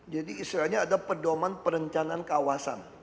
jadi istilahnya ada pedoman perencanaan kawasan